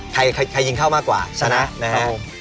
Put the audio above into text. ใครยิงเข้ามากกว่าชนะนะครับ